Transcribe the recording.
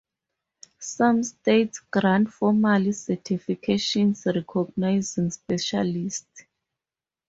Some states grant formal certifications recognizing specialties.